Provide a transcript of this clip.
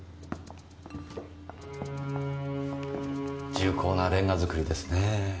重厚なレンガ造りですねぇ。